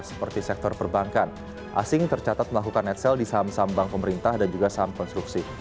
seperti sektor perbankan asing tercatat melakukan net sale di saham saham bank pemerintah dan juga saham konstruksi